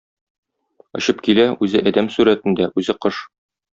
Очып килә, үзе адәм сурәтендә, үзе - кош.